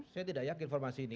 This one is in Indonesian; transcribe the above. saya tidak yakin informasi ini